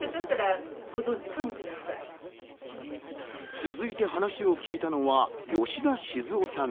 続いた話を聞いたのは吉田静夫さん